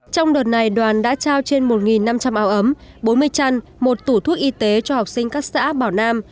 trong đợt này đoàn đã trao trên một năm trăm linh áo ấm bốn mươi chăn một tủ thuốc y tế cho học sinh các xã bảo nam